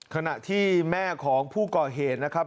ขณะที่แม่ของผู้ก่อเหตุนะครับ